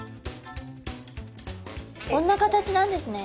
こんな形なんですね。